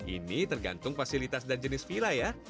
ini tergantung fasilitas dan jenis villa ya